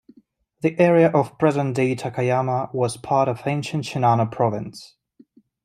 The area of present-day Takayama was part of ancient Shinano Province.